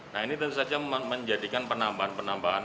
nah ini tentu saja menjadikan penambahan penambahan